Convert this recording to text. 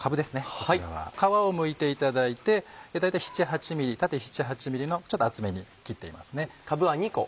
こちらは皮をむいていただいて大体縦７８ｍｍのちょっと厚めに切っています。